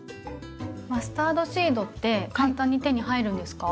マスタードシードって簡単に手に入るんですか？